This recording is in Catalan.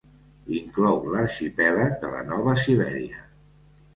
Inclou l'arxipèlag de la Nova Sibèria.